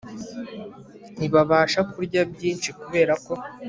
ntibabasha kurya byinshi kubera ko